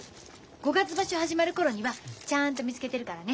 五月場所始まる頃にはちゃんと見つけてるからね。